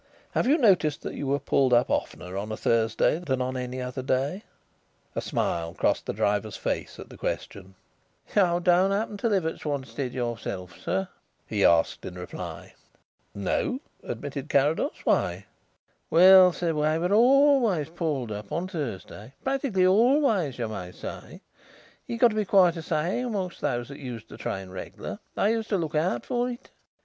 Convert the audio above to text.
Have you noticed that you were pulled up oftener on a Thursday than on any other day?" A smile crossed the driver's face at the question. "You don't happen to live at Swanstead yourself, sir?" he asked in reply. "No," admitted Carrados. "Why?" "Well, sir, we were always pulled up on Thursday; practically always, you may say. It got to be quite a saying among those who used the train regular; they used to look out for it."